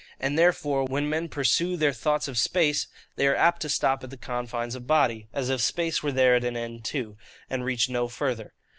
And, therefore, when men pursue their thoughts of space, they are apt to stop at the confines of body: as if space were there at an end too, and reached no further.